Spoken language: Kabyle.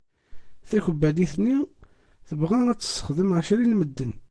Takebbanit-nni tebɣa ad tessexdem εecrin n medden.